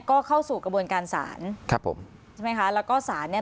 ก็เข้าสู่กระบวนการศาลครับผมใช่ไหมคะแล้วก็สารเนี้ย